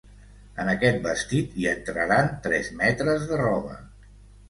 En aquest vestit, hi entraran tres metres de roba.